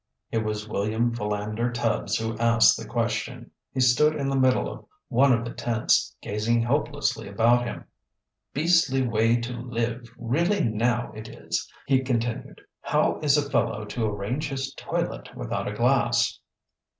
It was William Philander Tubbs who asked the question. He stood in the middle of one of the tents, gazing helplessly about him. "Beastly way to live, really now it is," he continued. "How is a fellow to arrange his toilet without a glass"?